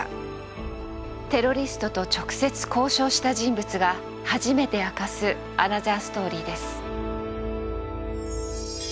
テロリストと直接交渉した人物が初めて明かすアナザーストーリーです。